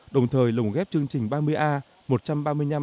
đồng thời lồng ghép chương trình ba mươi a